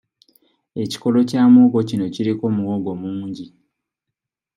Ekikolo kya muwogo kino kiriko muwogo mungi.